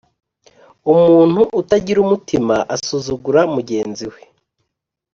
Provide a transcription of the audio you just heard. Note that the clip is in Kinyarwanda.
Umuntu utagira umutima asuzugura mugenzi we